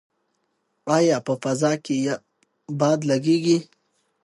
ایا په فضا کې باد لګیږي؟